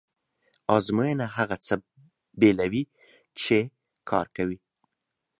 ازموینه هغه څه بېلوي چې کار کوي.